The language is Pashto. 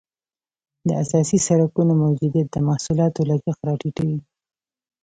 د اساسي سرکونو موجودیت د محصولاتو لګښت را ټیټوي